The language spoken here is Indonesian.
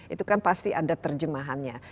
itu kan pasti ada terjemahannya